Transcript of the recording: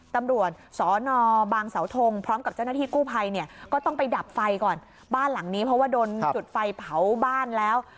ตำรวจสอนอบางเสาทงพร้อมกับเจ้าหน้าที่กู้ภัยเนี่ยก็ต้องไปดับไฟก่อนบ้านหลังนี้เพราะว่าโดนจุดไฟเผาบ้านแล้ว